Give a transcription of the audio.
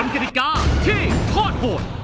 กฎิกาที่ทอดโหด